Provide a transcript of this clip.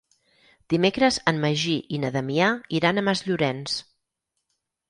Dimecres en Magí i na Damià iran a Masllorenç.